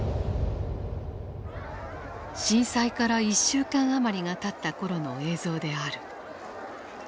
震災から１週間余りがたった頃の映像である。